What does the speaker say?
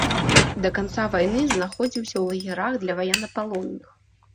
Да канца вайны знаходзіўся ў лагерах для ваеннапалонных.